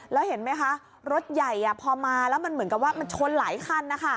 แล้วเห็นไหมคะรถใหญ่พอมาแล้วมันเหมือนกับว่ามันชนหลายคันนะคะ